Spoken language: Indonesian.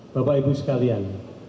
bapak ibu sekalian